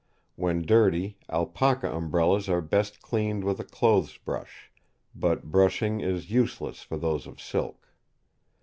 When dirty, alpaca umbrellas are best cleaned with a clothes brush; but brushing is useless for those of silk.